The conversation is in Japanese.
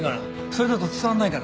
それだと伝わらないから。